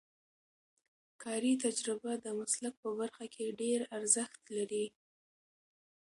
کاري تجربه د مسلک په برخه کې ډېر ارزښت لري.